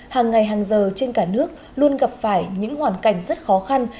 hàng ngày hàng giờ trên cả nước luôn gặp phải những hoàn cảnh rất khó khăn